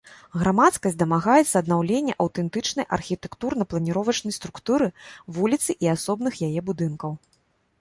Грамадскасць дамагаецца аднаўлення аўтэнтычнай архітэктурна-планіровачнай структуры вуліцы і асобных яе будынкаў.